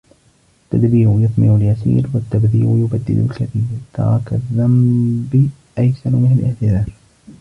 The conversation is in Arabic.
التدبير يثمر اليسير والتبذير يبدد الكثير ترك الذنب أيسر من الاعتذار